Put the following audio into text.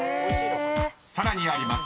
［さらにあります。